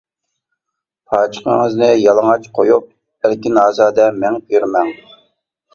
پاچىقىڭىزنى يالىڭاچ قويۇپ ئەركىن ئازادە مېڭىپ يۈرمەڭ.